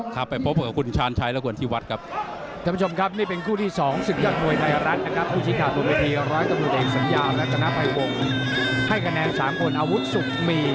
ครับไปพบกับคุณชาญชัยและคุณที่วัดครับ